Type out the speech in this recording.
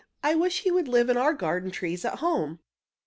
"I wish he would live in our garden trees at home."